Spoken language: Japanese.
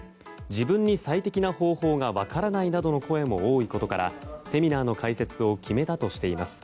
自分に最適な方法が分からないなどの声も多いことからセミナーの開設を決めたとしています。